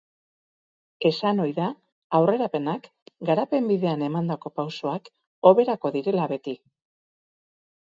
Esan ohi da aurrerapenak, garapen bidean emandako pausoak hoberako direla beti.